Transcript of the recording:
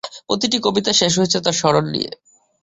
প্রতিটি কবিতা শেষ হয়েছে তাঁর স্মরণ নিয়ে।